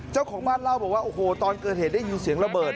เจ้าของบ้านเล่าบอกว่าโอ้โหตอนเกิดเหตุได้ยินเสียงระเบิด